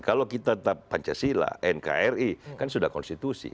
kalau kita tetap pancasila nkri kan sudah konstitusi